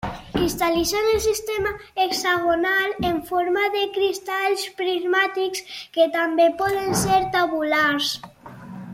Cristal·litza en el sistema hexagonal en forma de cristalls prismàtics, que també poden ser tabulars.